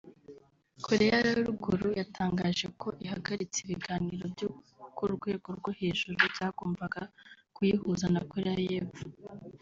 Korea ya Ruguru yatangaje ko ihagaritse ibiganiro byo ku rwego rwo hejuru byagombaga kuyihuza na Korea y’Epfo